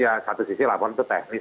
ya satu sisi laporan itu teknis